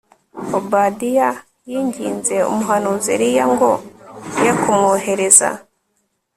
Obadiya yinginze umuhanuzi Eliya ngo ye kumwohereza